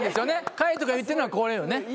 海人君が言ってるのはこれよね。